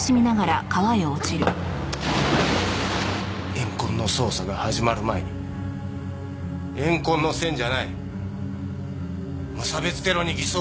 怨恨の捜査が始まる前に怨恨の線じゃない無差別テロに偽装しよう。